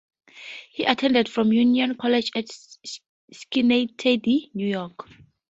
He attended from Union College at Schenectady, New York.